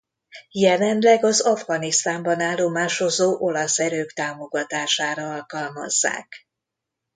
Jelenleg az Afganisztánban állomásozó olasz erők támogatására alkalmazzák.